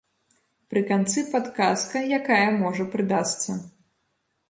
Пры канцы падказка, якая можа прыдасца.